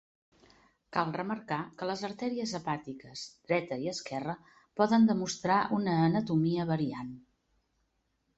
Cal remarcar que les artèries hepàtiques dreta i esquerra poden demostrar una anatomia variant.